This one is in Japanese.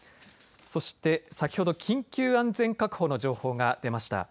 そして、先ほど緊急安全確保の情報が出ました。